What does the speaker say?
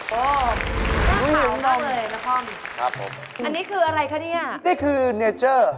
ครับผมครับผมอันนี้คืออะไรคะนี่นี่คือเนเจอร์